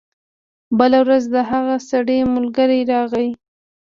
بله ورځ د هغه سړي ملګری راغی.